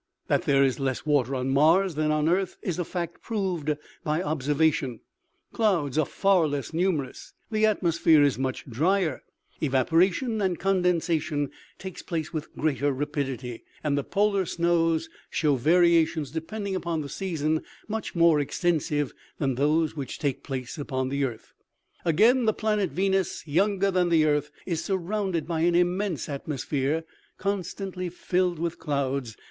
That there is less water on Mars than on the earth is a fact proved by observation ; clouds are far less numerous, the atmosphere is much dryer, evaporation and condensation OMEGA. 95 take place with greater rapidity, and the polar snows show variations, depending upon the season, much more ex tensive than those which take place upon the earth. Again, the planet Venus, younger than the earth, is surrounded by an immense atmosphere, constantly filled with clouds.